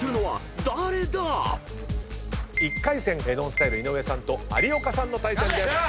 １回戦ＮＯＮＳＴＹＬＥ井上さんと有岡さんの対戦です。